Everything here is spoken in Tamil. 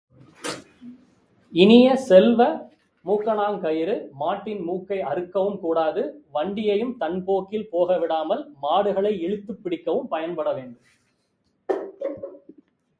இனிய செல்வ, மூக்கணாங்கயிறு, மாட்டின் மூக்கை அறுக்கவும் கூடாது வண்டியையும் தன்போக்கில் போகவிடாமல் மாடுகளை இழுத்துப் பிடிக்கவும் பயன்படவேண்டும்.